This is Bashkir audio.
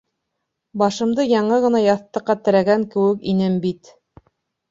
Башымды яңы ғына яҫтыҡҡа терәгән кеүек инем бит.